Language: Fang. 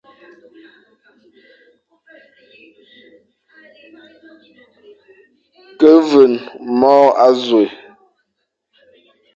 Ke veñ môr azôe,